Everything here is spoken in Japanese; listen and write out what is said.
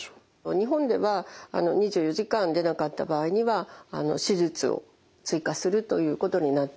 日本では２４時間出なかった場合には手術を追加するということになっています。